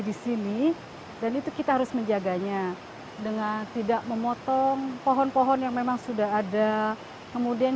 di sini dan itu kita harus menjaganya dengan tidak memotong pohon pohon yang memang sudah ada kemudian